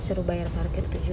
suruh bayar parkir tujuh ribu